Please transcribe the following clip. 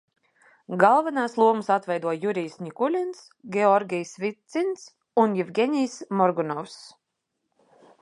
Galvenās lomas atveido Jurijs Ņikuļins, Georgijs Vicins un Jevgeņijs Morgunovs.